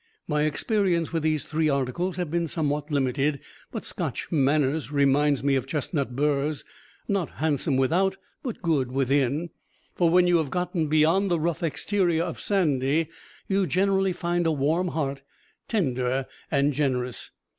My experience with these three articles has been somewhat limited; but Scotch manners remind me of chestnut burs not handsome without, but good within. For when you have gotten beyond the rough exterior of Sandy you generally find a heart warm, tender and generous.